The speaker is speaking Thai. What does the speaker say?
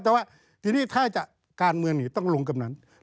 แต่ว่าทีนี้ถ้าจะการเมืองต้องลงกำนัน